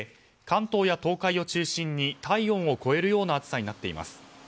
関東や東海を中心に体温を超えるような暑さになっています。